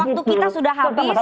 kita sudah habis